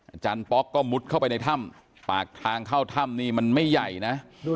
อาจารย์ป๊อกก็มุดเข้าไปในถ้ำปากทางเข้าถ้ำนี่มันไม่ใหญ่นะ